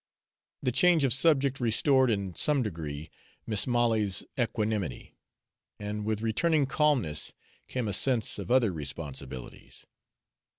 The change of subject restored in some degree Mis' Molly's equanimity, and with returning calmness came a sense of other responsibilities.